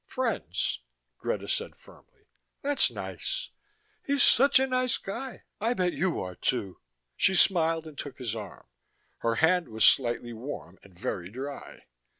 "Friends," Greta said firmly. "That's nice. He's such a nice guy I bet you are, too." She smiled and took his arm. Her hand was slightly warm and very dry.